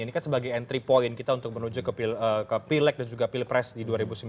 ini kan sebagai entry point kita untuk menuju ke pileg dan juga pilpres di dua ribu sembilan belas